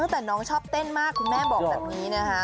ตั้งแต่น้องชอบเต้นมากคุณแม่บอกแบบนี้นะคะ